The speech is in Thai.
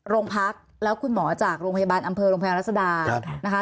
โรงพักแล้วคุณหมอจากโรงพยาบาลอำเภอโรงพยาบาลรัศดานะคะ